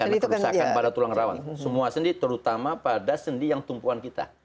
karena kerusakan pada tulang rawan semua sendi terutama pada sendi yang tumpuan kita